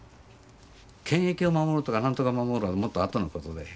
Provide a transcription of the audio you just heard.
権益を守るとか何とかを守るはもっとあとのことで。